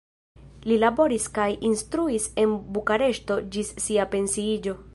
Li laboris kaj instruis en Bukareŝto ĝis sia pensiiĝo.